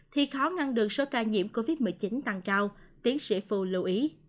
thì khó ngăn được số ca nhiễm covid một mươi chín tăng cao tiến sĩ phù lưu ý